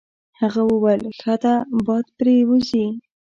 هغه وویل: ښه ده باد پرې وځي.